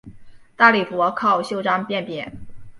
大礼服靠袖章辨别。